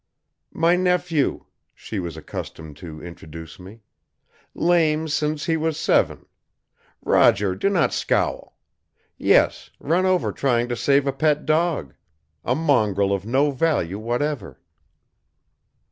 "My nephew," she was accustomed to introduce me. "Lame since he was seven. Roger, do not scowl! Yes; run over trying to save a pet dog. A mongrel of no value whatever!"